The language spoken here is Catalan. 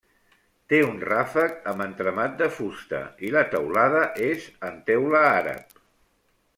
Té un ràfec amb entramat de fusta i la teulada és en teula àrab.